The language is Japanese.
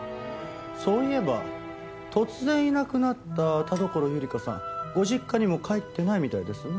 そういえば突然いなくなった田所友梨華さんご実家にも帰ってないみたいですね。